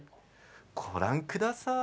ご覧ください。